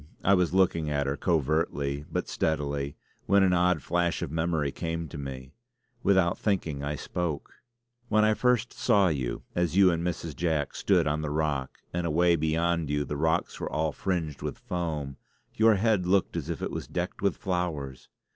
I was looking at her, covertly but steadily when an odd flash of memory came to me; without thinking I spoke: "When I first saw you, as you and Mrs. Jack stood on the rock, and away beyond you the rocks were all fringed with foam, your head looked as if it was decked with flowers."